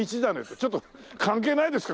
ちょっと関係ないですかね。